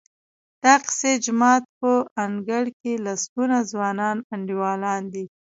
د اقصی جومات په انګړ کې لسګونه ځوانان انډیوالان دي.